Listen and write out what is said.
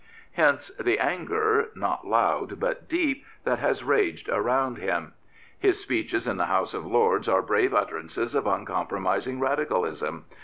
Hence the anger, not loud but deep, that has raged around him. His speeches in the House of Lords are brave utterances of uncompromising Radicalism.